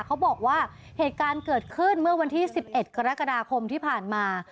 เขาบอกว่าเหตุการณ์เกิดขึ้นเมื่อวันที่๑๑กรกฎาคมที่ผ่านมา